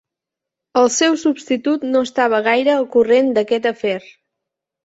El seu substitut no estava gaire al corrent d'aquest afer.